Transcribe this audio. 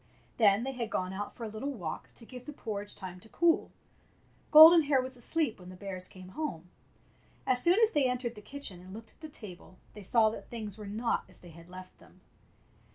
Then they had gone out for a little walk to give the porridge time to cool. Golden Hair was asleep when the bears came home. As soon as they entered the kitchen and looked at the table they saw that things were not as they had left them.